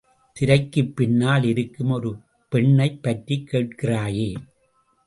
திரைக்குப் பின்னால் இருக்கும் ஒரு பெண்ணைப் பற்றிக் கேட்கிறாயே!